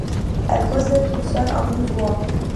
elle causait toute seule à mi-voix.